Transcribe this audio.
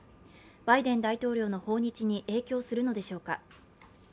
バイデン大統領の訪日に影響するのでしょうか。